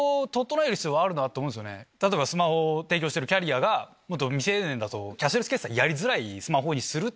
例えばスマホを提供してるキャリアが未成年だとキャッシュレス決済やりづらいスマホにするとか。